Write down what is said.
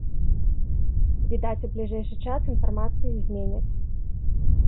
Відаць, у бліжэйшы час інфармацыю зменяць.